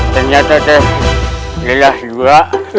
ternyata terlelah juga